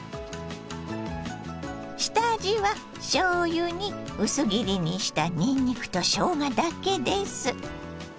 下味はしょうゆに薄切りにしたにんにくとしょうがだけです。